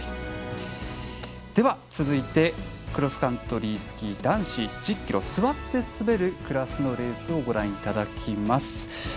では続いてクロスカントリースキー男子１０ｋｍ座って滑るクラスのレースをご覧いただきます。